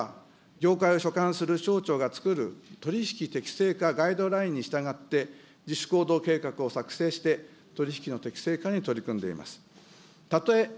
他の業界におきましては、業界を所管する省庁が作る取り引き適正化ガイドラインに従って、自主行動計画を策定して、取り引きの適正化に取り組んでいます。